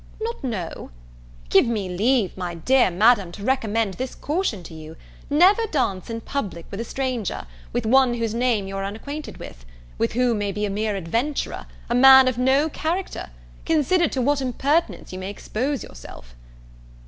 not know? Give me leave, my dear Madam, to recommend this caution to you: Never dance in public with a stranger, with one whose name you are unacquainted with, who may be a mere adventurer, a man of no character, consider to what impertinence you may expose yourself."